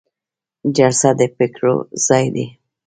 جلسه د پریکړو ځای دی